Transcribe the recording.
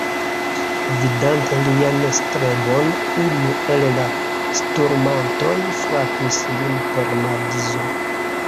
Vidante lian strebon, unu el la sturmantoj frapis lin per madzo.